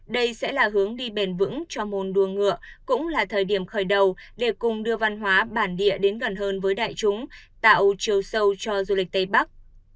đây sẽ là hướng đi bền vững cho môn đùa ngựa cũng là thời điểm khởi đầu để cùng đưa văn hóa bản địa đến gần hơn với đại chúng tạo chiều sâu cho du lịch tây bắc